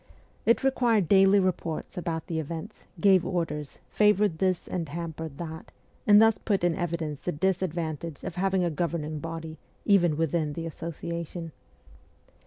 It required daily reports about the events, gave orders, favoured this and hampered that, and thus put in evidence the disadvantage of having a govern ing body, even within the Association.